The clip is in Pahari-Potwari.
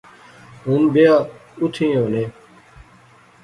ہن بیاۃ اوتھیں ایہہ ہونے